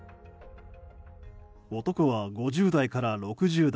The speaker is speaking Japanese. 男は５０代から６０代。